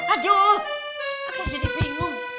aduh kok jadi bingung